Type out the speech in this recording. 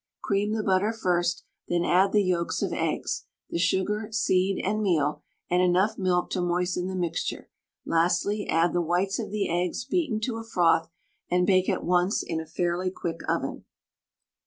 Cream the butter first, then add the yolks of eggs, the sugar, seed, and meal, and enough milk to moisten the mixture; lastly, add the whites of the eggs beaten to a froth, and bake at once in a fairly quick oven.